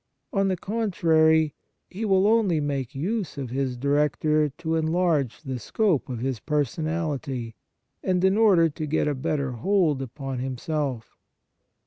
On the contrary, he will only make use of his director to enlarge the scope of his personality, and in order to get a better hold upon himself.